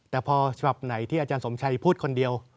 แต่พอฉบับไหนที่อาจารย์สมชัยพูดคนเดียว